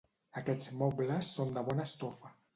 Aquests mobles són de bona estofa.